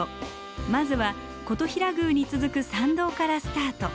まずは金刀比羅宮に続く参道からスタート。